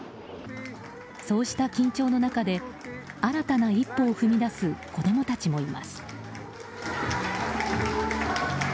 そうした緊張の中で新たな一歩を踏み出す子供たちもいます。